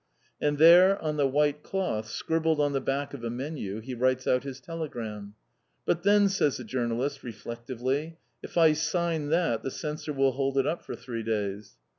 And there, on the white cloth, scribbled on the back of a menu, he writes out his telegram. "But then," says the journalist, reflectively, "if I sign that the censor will hold it up for three days!"